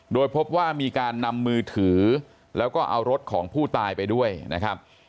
โดยพบว่ามีการนำมือถือแล้วก็เอารถของผู้ตายไปด้วยนะครับ